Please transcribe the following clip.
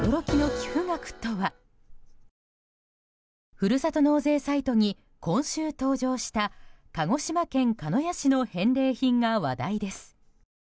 ふるさと納税サイトに今週登場した鹿児島県鹿屋市の返礼品が話題です。